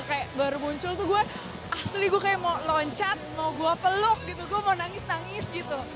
kayak baru muncul tuh gue asli gue kayak mau loncat mau gue peluk gitu gue mau nangis nangis gitu